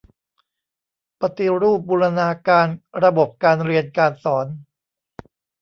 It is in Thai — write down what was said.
ปฏิรูปบูรณาการระบบการเรียนการสอน